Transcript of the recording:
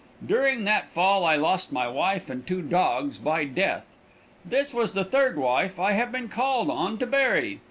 During that fall I lost my wife and two dogs by deth. This was the third wife I have been called on to bury.